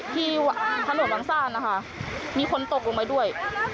ที่ถนนวังซ่านนะคะมีคนตกลงไปด้วย